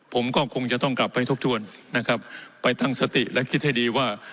ผมก็คงจะต้องกลับไปทบทวนนะครับไปตั้งสติและคิดให้ดีว่า